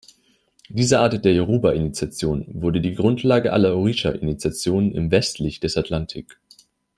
Diese Art der Yoruba-Initiation wurde die Grundlage aller Orisha Initiationen im westlich des Atlantik.